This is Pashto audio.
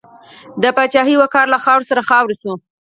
د پاچاهۍ وقار له خاورو سره خاورې شو.